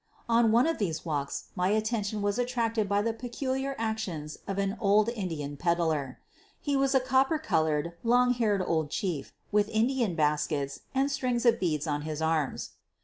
On one of these walks my attention was attracted by the peculiar actions of an old Indian peddler. He was a copper colored, long haired old chief, with Indian baskets and strings of beads on his arms.